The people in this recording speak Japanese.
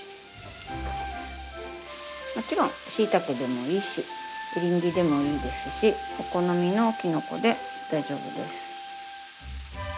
もちろんしいたけでもいいしエリンギでもいいですしお好みのきのこで大丈夫です。